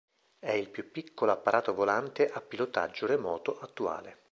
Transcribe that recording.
È il più piccolo apparato volante a pilotaggio remoto attuale.